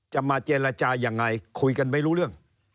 จะมาเจรจายังไงคุยกันไม่รู้เรื่อง